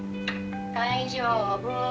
大丈夫。